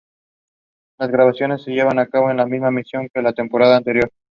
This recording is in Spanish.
Las grabaciones se llevaron a cabo en la misma mansión que la temporada anterior.